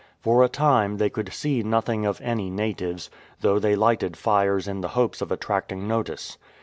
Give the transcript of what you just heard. For a time they could see nothing of any 245 AN UNFRIENDLY CHIEF natives, though they lighted fires in the hope of attracting notice.